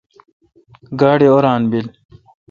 گاڑی اوران بیل۔